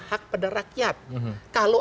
hak pada rakyat kalau